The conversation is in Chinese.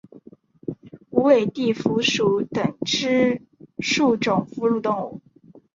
无尾蹄蝠属等之数种哺乳动物。